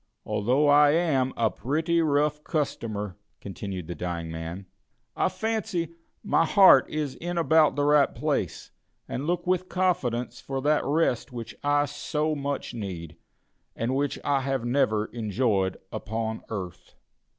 Although I am a pretty rough customer," continued the dying man, "I fancy my heart is in about the right place, and look with confidence for that rest which I so much need, and which I have never enjoyed upon earth."